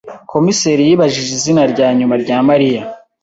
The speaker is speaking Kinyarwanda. Komiseri yibajije izina rya nyuma rya Mariya.